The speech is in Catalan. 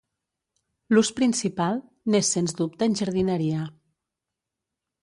L'ús principal n'és sens dubte en jardineria.